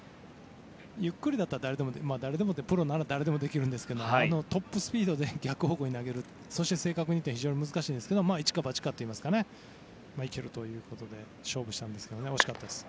ゆっくりだったら誰でも誰でもというかプロなら誰でもできるんですがトップスピードで逆方向に投げるそして正確にって非常に難しいですがいちかばちかというかいけるということで勝負したんですが惜しかったです。